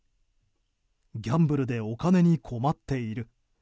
ギャンブルでお金に困っている。